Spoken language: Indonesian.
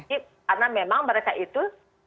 karena memang mereka itu